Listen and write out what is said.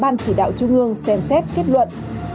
ban chỉ đạo trung ương xem xét kết luận